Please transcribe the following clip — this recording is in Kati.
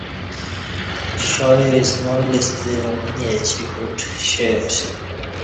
شاعر اسماعیل ستہ امنی اہ چی کوٹ شعر